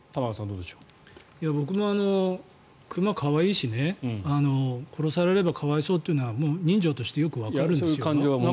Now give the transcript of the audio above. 僕も熊、可愛いしね殺されれば可哀想というのは人情としてよくわかるんです。